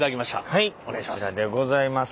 はいこちらでございます。